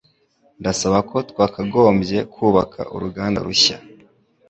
Ndasaba ko twakagombye kubaka uruganda rushya.